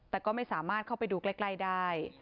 แต่ก็ไม่สามารถเข้าไปดูใกล้ได้